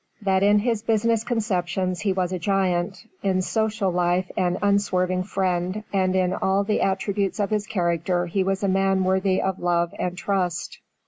That in his business conceptions he was a giant, in social life an unswerving friend, and in all the attributes of his character he was a man worthy of love and trust."